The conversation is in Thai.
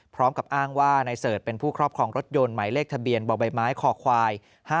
พร้อมกับอ้างว่านายเสิร์ชเป็นผู้ครอบครองรถยนต์หมายเลขทะเบียนบ่อใบไม้คอควาย๕๗